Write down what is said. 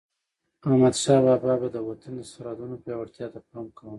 احمدشاه بابا به د وطن د سرحدونو پیاوړتیا ته پام کاوه.